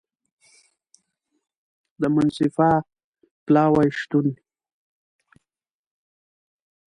د منصفه پلاوي شتون